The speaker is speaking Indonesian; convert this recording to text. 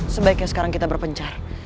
sebaiknya sekarang kita berpencar